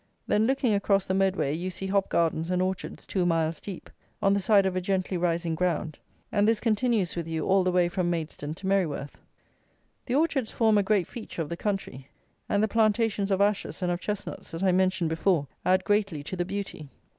Then looking across the Medway, you see hop gardens and orchards two miles deep, on the side of a gently rising ground: and this continues with you all the way from Maidstone to Merryworth. The orchards form a great feature of the country; and the plantations of Ashes and of Chestnuts that I mentioned before, add greatly to the beauty.